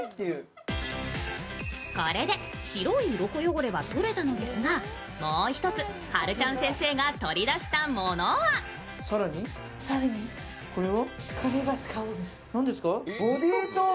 これで白いうろこ汚れは取れたんですが、もう一つ、はるちゃん先生が取り出したものは。